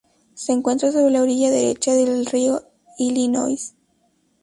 Se encuentra sobre la orilla derecha del río Illinois.